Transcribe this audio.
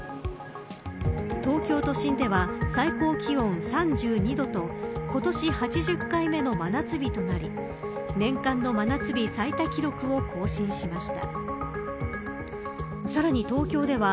東京都心では最高気温３２度と今年８０回目の真夏日となり年間の真夏日最多記録を更新しました。